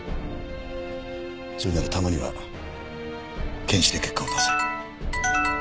それならたまには検視で結果を出せ。